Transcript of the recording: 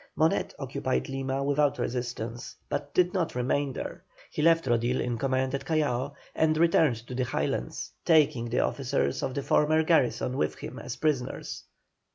Monet occupied Lima without resistance, but did not remain there. He left Rodil in command at Callao, and returned to the Highlands, taking the officers of the former garrison with him as prisoners.